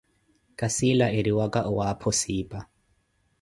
Ka siila eriwaka owaapho siipa.